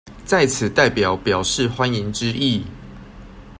在此代表表示歡迎之意